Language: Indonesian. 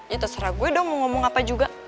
ya terserah gue dong mau ngomong apa juga